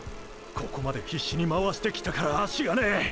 ここまで必死に回してきたから足がねェ。